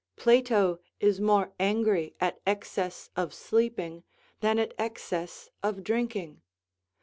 Plato is more angry at excess of sleeping than at excess of drinking.